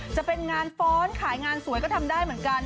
จะเป็นงานฟ้อนขายงานสวยก็ทำได้เหมือนกัน